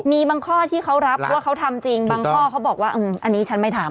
มีบางข้อที่เขารับว่าเขาทำจริงบางข้อเขาบอกว่าอันนี้ฉันไม่ทำ